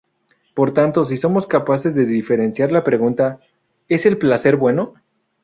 Por tanto, si somos capaces de diferenciar la pregunta ¿"Es el placer bueno"?